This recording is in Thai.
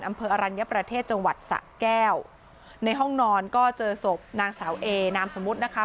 อำเภออรัญญประเทศจังหวัดสะแก้วในห้องนอนก็เจอศพนางสาวเอนามสมมุตินะคะ